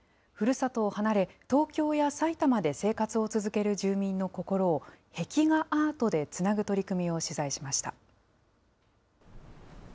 ふるさとを離れ、東京や埼玉で生活を続ける住民の心を壁画アートでつなぐ取り組みを取材しました。